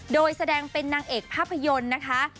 โดยแสดงเป็นนางเอกภาพยนตร์นะคะ